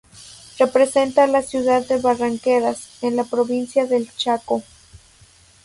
Representa a la ciudad de Barranqueras, en la Provincia del Chaco.